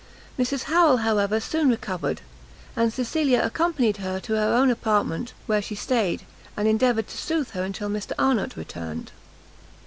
Mrs Harrel, however, soon recovered, and Cecilia accompanied her to her own apartment, where she stayed, and endeavoured to sooth her till Mr Arnott returned.